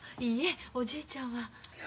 いいえおじいちゃんは。